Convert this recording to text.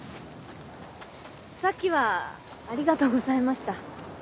さっきはありがとうございました。